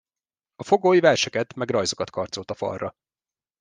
A fogoly verseket meg rajzokat karcolt a falra.